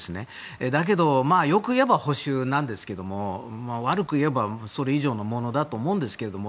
だけど、よく言えば保守なんですけども悪く言えば、それ以上のものだと思うんですけども。